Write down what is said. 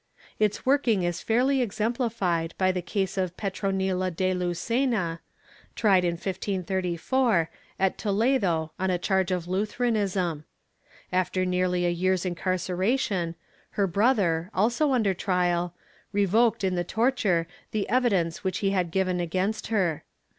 Its working is fairly exemplified by the case of Petronila de Lucena, tried in 1534, at Toledo on a charge of Lutheranism. After nearly a year's incarceration, her brother, also under trial, revoked in the torture the evidence which he had given against her.